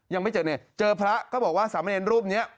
ยังไม่เจอเนี่ยเจอพระก็บอกว่าสามัญญัติรูปนี้